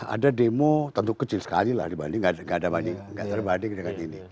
ada demo tentu kecil sekali lah dibanding nggak ada banding